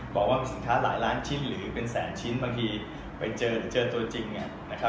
บอกว่าสินค้าหลายล้านชิ้นหรือเป็นแสนชิ้นบางทีไปเจอหรือเจอตัวจริงเนี่ยนะครับ